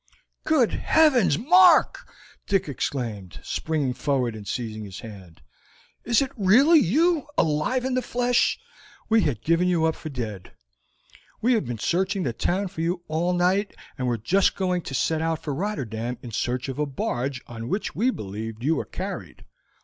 "Good Heavens, Mark!" Dick exclaimed, springing forward and seizing his hand, "is it really you alive in the flesh? We had given you up for dead. We have been searching the town for you all night, and were just going to set out for Rotterdam in search of a barge on which we believed you were carried.